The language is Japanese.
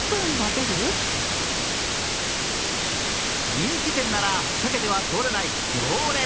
人気店なら避けては通れない行列。